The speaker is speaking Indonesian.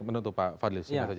menutup pak fadli